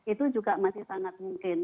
itu juga masih sangat mungkin